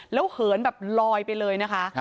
แล้วเหินแบบลอยไปเลยนะคะ